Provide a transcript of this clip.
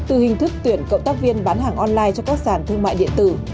từ hình thức tuyển cộng tác viên bán hàng online cho các sản thương mại điện tử